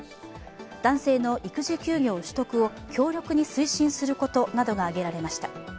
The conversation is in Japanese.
男性の育児休業取得を強力に推進することなどが挙げられました。